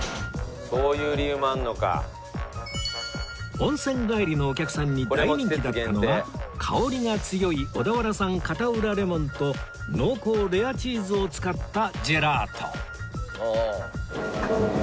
温泉帰りのお客さんに大人気だったのは香りが強い小田原産片浦レモンと濃厚レアチーズを使ったジェラート